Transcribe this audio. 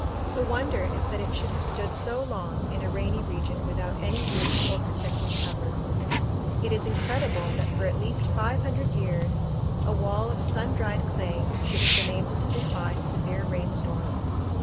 The wonder is that it should have stood so long in a rainy region without any roof or protecting cover. It is incredible that for at least five hundred years a wall of sun dried clay should have been able to defy severe rainstorms.